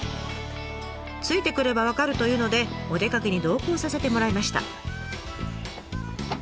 ついてくれば分かるというのでお出かけに同行させてもらいました。